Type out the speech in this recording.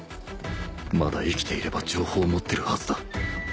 まだ生きていれば情報を持ってるはずだ